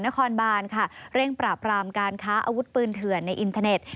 นครบานค่ะเร่งปราบรามการค้าอาวุธปืนเถื่อนในอินเทอร์เน็ต